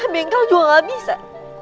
bengkel juga gak bisa